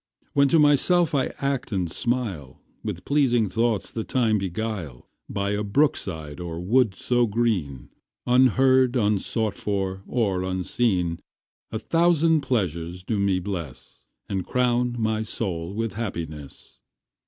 When to myself I act and smile, With pleasing thoughts the time beguile, By a brook side or wood so green, Unheard, unsought for, or unseen, A thousand pleasures do me bless, And crown my soul with happiness.